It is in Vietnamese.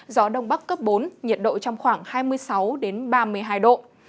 gió đông bắc cấp bốn nhiệt độ trong khoảng hai mươi sáu ba mươi hai độ